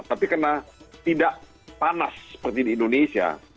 tapi karena tidak panas seperti di indonesia